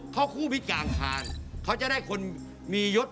เขาคู่มีกางคารเขาจะได้คนมียศมีตำแหน่ง